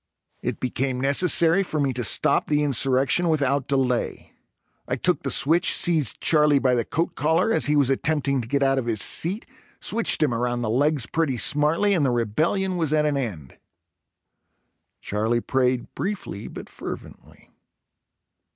It became necessary for me to stop the insurrection without delay. I took the switch, seized Charlie by the coat collar, as he was attempting to get out of his seat, switched him around the legs pretty smartly and the rebellion was at an end. Charlie prayed briefly, but fervently.